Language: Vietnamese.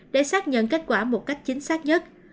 để xác nhận kết quả một cách chính xác nhất